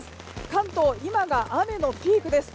関東、今が雨のピークです。